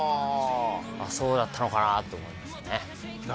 そうだったのかなと思いました。